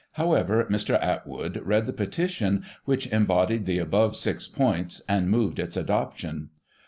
However, Mr. Atwood read the Petition, which embodied the above six points, and moved its adoption.